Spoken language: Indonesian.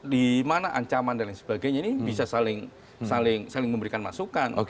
di mana ancaman dan lain sebagainya ini bisa saling memberikan masukan